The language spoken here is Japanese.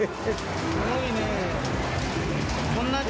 すごいねー。